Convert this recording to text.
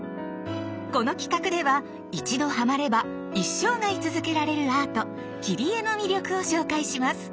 この企画では一度ハマれば一生涯続けられるアート「切り絵」の魅力を紹介します。